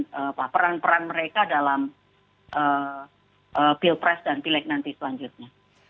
dan apa peran peran mereka dalam pilpres dan pileg nanti selanjutnya